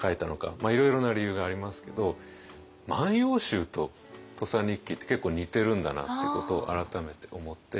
まあいろいろな理由がありますけど「万葉集」と「土佐日記」って結構似てるんだなってことを改めて思って。